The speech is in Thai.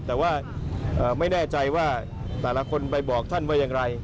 แต่ว่าไม่แน่ใจว่าแต่ละคนไปบอกท่านว่าอย่างไร